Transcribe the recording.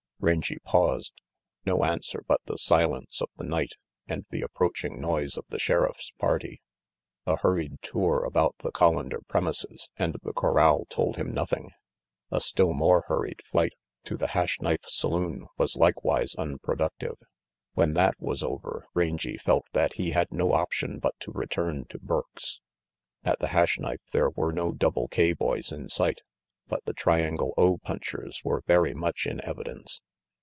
Rangy paused. No answer but the silence of the night and the approaching noise of the Sheriff's party. A hurried tour about the Collander premises and the corral told him nothing. A still more hurried flight to the Hash Knife saloon was likewise unpro ductive. When that was over Rangy felt that he had no option but to return to Burke's. At the Hash Knife there were no Double K boys in sight, but the Triangle O punchers were very much in evidence.